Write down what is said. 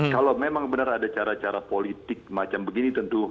kalau memang benar ada cara cara politik macam begini tentu